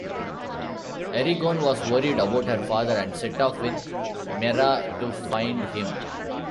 Erigone was worried about her father, and set off with Maera to find him.